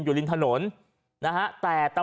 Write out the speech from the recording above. อยู่รินถนนนะฮะแต่